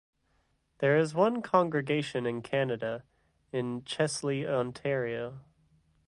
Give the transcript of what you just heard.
There is one congregation in Canada, in Chesley, Ontario.